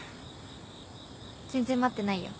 全然待ってないよ。